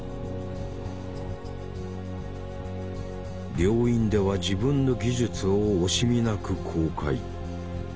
病院では自分の技術を惜しみなく公開。